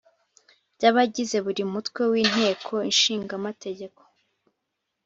By abagize buri mutwe w inteko ishinga amategeko